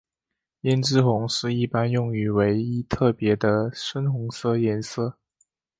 胭脂红是一般用语为一特别深红色颜色。